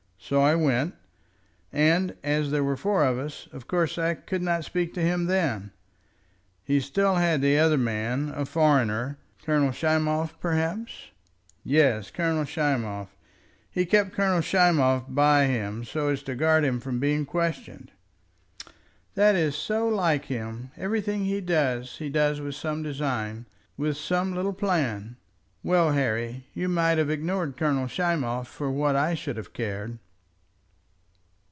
So I went, and as there were four of us, of course I could not speak to him then. He still had the other man, a foreigner " "Colonel Schmoff, perhaps?" "Yes; Colonel Schmoff. He kept Colonel Schmoff by him, so as to guard him from being questioned." "That is so like him. Everything he does he does with some design, with some little plan. Well, Harry, you might have ignored Colonel Schmoff for what I should have cared."